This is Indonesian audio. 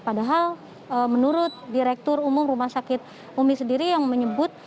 padahal menurut direktur umum rumah sakit umi sendiri yang menyebut